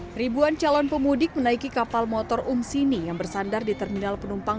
hai ribuan calon pemudik menaiki kapal motor umsini yang bersandar di terminal penumpang